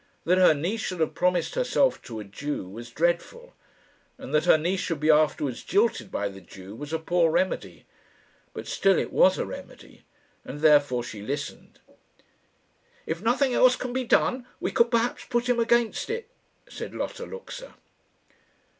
That her niece should have promised herself to a Jew was dreadful, and that her niece should be afterwards jilted by the Jew was a poor remedy. But still it was a remedy, and therefore she listened. "If nothing else can be done, we could perhaps put him against it," said Lotta Luxa.